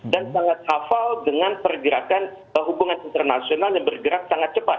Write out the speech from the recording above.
dan sangat hafal dengan pergerakan hubungan internasional yang bergerak sangat cepat